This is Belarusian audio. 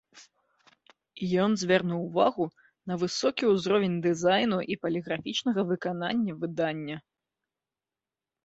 Ён звярнуў увагу на высокі ўзровень дызайну і паліграфічнага выканання выдання.